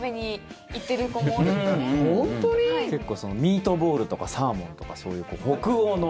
結構、ミートボールとかサーモンとかそういう北欧の。